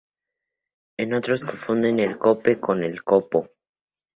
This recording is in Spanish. En otros confunden el "cope" con el "copo".